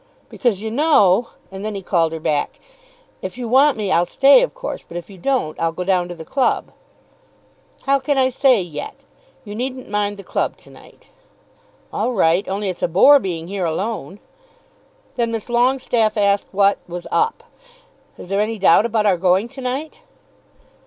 "Because, you know " and then he called her back. "If you want me I'll stay, of course; but if you don't, I'll go down to the club." "How can I say, yet? You needn't mind the club to night." "All right; only it's a bore being here alone." Then Miss Longestaffe asked what "was up." "Is there any doubt about our going to night?"